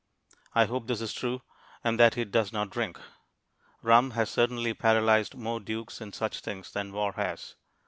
I hope this is true and that he does not drink. Rum has certainly paralyzed more dukes and such things than war has.